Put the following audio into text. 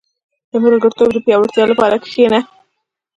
• د ملګرتوب د پياوړتیا لپاره کښېنه.